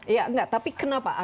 ya enggak tapi kenapa